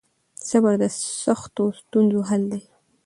صبر د سختو ستونزو حل دی.